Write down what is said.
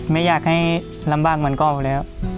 ไม่อยากให้ลำบากเหมือนเก่าแล้ว